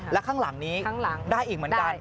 แล้วข้างหลังนี้ได้อีกเหมือนกัน